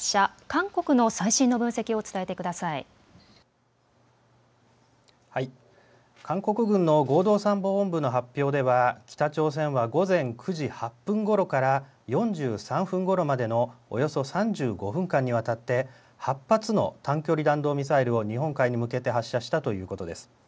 韓国軍の合同参謀本部の発表では北朝鮮は午前９時８分ごろから４３分ごろまでのおよそ３５分間にわたって８発の短距離弾道ミサイルを日本海に向けて発射したということです。